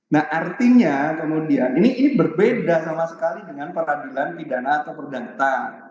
nah artinya kemudian ini berbeda sama sekali dengan peradilan pidana atau perdagan